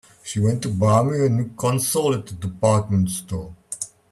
She went to buy me a new console at the department store.